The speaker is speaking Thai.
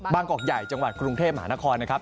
บางกก์ใหญ่จังหวัดกรุงเทพฯหานครครับ